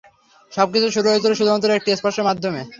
সবকিছু শুরু হয়েছিল শুধুমাত্র একটি স্পর্শের মাধ্যমে।